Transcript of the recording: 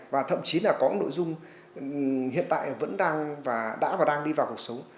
và thậm chí là có nội dung hiện tại vẫn đang và đã và đang đi vào cuộc sống